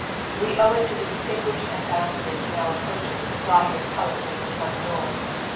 We owe it to the distinguished Ambassador who now approaches to fly his colors over the front door.